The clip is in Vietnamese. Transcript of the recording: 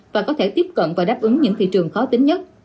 và có thể tiếp cận và đáp ứng những thị trường khó tính nhất